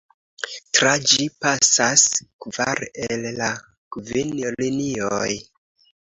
Tra ĝi pasas kvar el la kvin linioj.